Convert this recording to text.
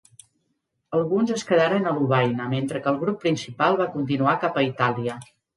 Alguns es quedaren a Lovaina, mentre que el grup principal va continuar cap a Itàlia.